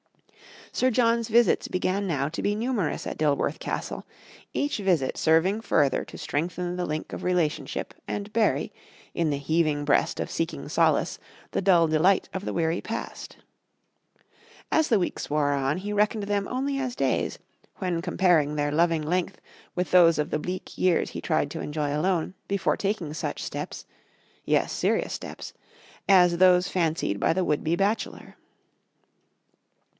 Sir John's visits began now to be numerous at Dilworth Castle, each visit serving further to strengthen the link of relationship, and bury, in the heaving breast of seeking solace, the dull delight of the weary past. As the weeks wore on, he reckoned them only as days, when comparing their loving length with those of the bleak years he tried to enjoy alone, before taking such steps yes, serious steps as those fancied by the would be bachelor.